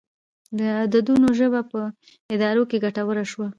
د عددونو ژبه په ادارو کې ګټوره شوه.